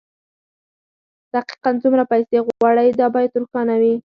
دقيقاً څومره پيسې غواړئ دا بايد روښانه وي.